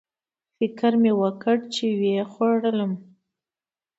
فکر مې وکړ چې ویې خوړلم